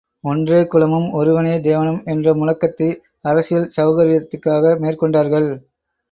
ஒன்றே குலமும், ஒருவனே தேவனும் என்ற முழக்கத்தை அரசியல் செளகரியத்துக்காக மேற்கொண்டார்கள்.